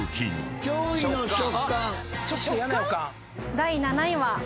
第７位は。